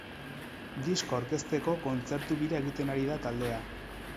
Diskoa aurkezteko kontzertu-bira egiten ari da taldea.